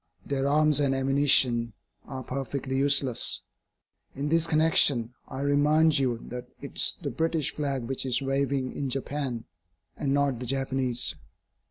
Their arms and ammunition are perfectly useless. In this connection, I remind you that it is the British flag which is waving in Japan, and not the Japanese.